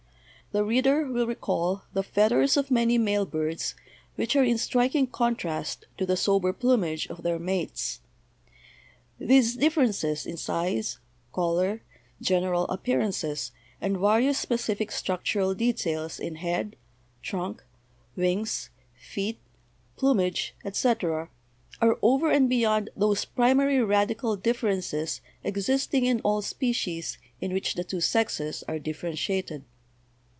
The reader will recall the feathers of many male birds which are in striking contrast to the sober plumage of their mates. These differences in size, color, general appearances, and various specific structural details in head, trunk, wings, feet, plumage, etc., are over and be yond those primary radical differences existing in all species in which the two sexes are differentiated.